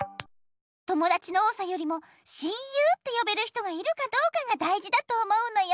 ともだちの多さよりも親友ってよべる人がいるかどうかがだいじだと思うのよ。